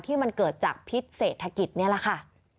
ที่มันเกิดจากพิษเศรษฐกิจนี่แหละค่ะ